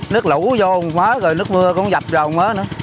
nước lũ vô nước mưa cũng dập rồi